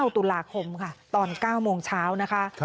ตุลาคมค่ะตอน๙โมงเช้านะคะ